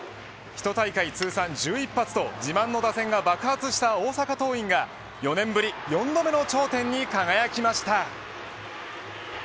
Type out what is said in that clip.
１大会通算１１発と自慢の打線が爆発した大阪桐蔭が４年ぶり４度目の頂点に輝きました。